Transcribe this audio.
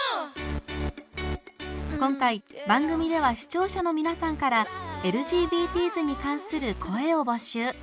今回番組では視聴者の皆さんからＬＧＢＴｓに関する声を募集。